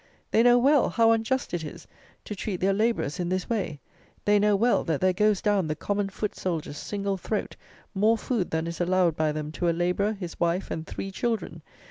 They know well, how unjust it is to treat their labourers in this way. They know well that there goes down the common foot soldier's single throat more food than is allowed by them to a labourer, his wife, and three children.